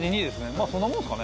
まあ、そんなもんですかね。